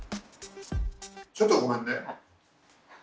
ちょっとごめんね。